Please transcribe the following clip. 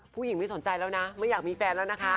ผู้หญิงไม่สนใจแล้วนะไม่อยากมีแฟนแล้วนะคะ